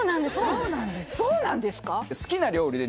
そうなんですか？